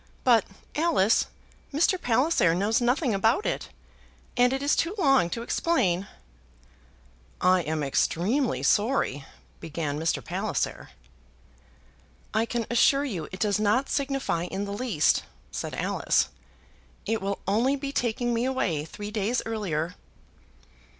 But, Alice, Mr. Palliser knows nothing about it, and it is too long to explain." "I am extremely sorry " began Mr. Palliser. "I can assure you it does not signify in the least," said Alice. "It will only be taking me away three days earlier."